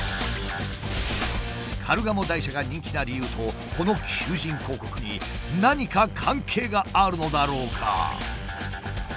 カルガモ台車が人気な理由とこの求人広告に何か関係があるのだろうか？